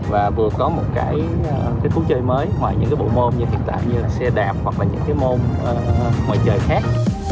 và vừa có một cái khu chơi mới ngoài những cái bộ môn như hiện tại như là xe đạp hoặc là những cái môn ngoài trời khác